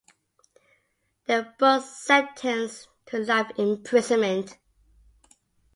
They were both sentenced to life imprisonment.